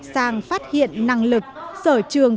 sang phát hiện năng lực sở trường